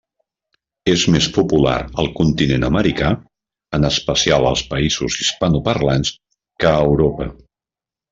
És més popular al continent americà, en especial als països hispanoparlants, que a Europa.